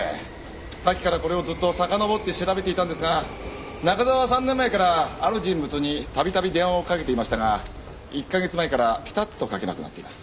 さっきからこれをずっとさかのぼって調べていたんですが中沢は３年前からある人物にたびたび電話をかけていましたが１か月前からピタッとかけなくなっています。